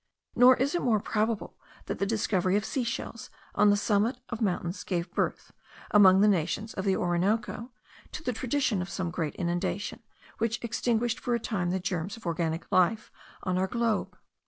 Nor is it more probable, that the discovery of sea shells on the summit of mountains gave birth, among the nations of the Orinoco, to the tradition of some great inundation which extinguished for a time the germs of organic life on our globe.